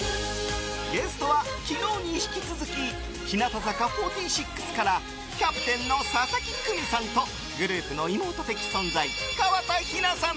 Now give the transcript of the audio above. ゲストは昨日に引き続き日向坂４６からキャプテンの佐々木久美さんとグループの妹的存在河田陽菜さん。